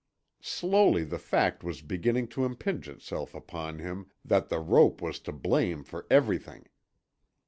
Slowly the fact was beginning to impinge itself upon him that the rope was to blame for everything.